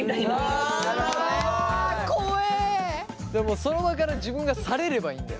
その場から自分が去れればいいんだよ。